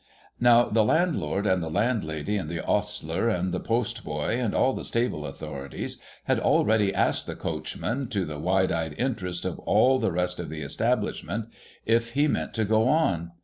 Now the landlord, and the landlady, and the ostler, and the post boy, and all the stable authorities, had already asked the coach man, to the wide eyed interest of all the rest of the establishment, COMMODIOUS APARTMENTS 91 if he meant to go on.